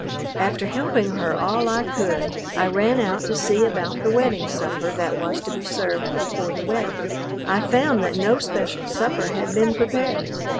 After helping her all I could, I ran out to see about the wedding supper that was to be served before the wedding. I found that no special supper had been prepared.